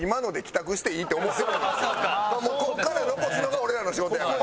もうここから残すのが俺らの仕事やから。